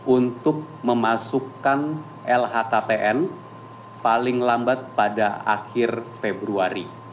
untuk memasukkan lhkpn paling lambat pada akhir februari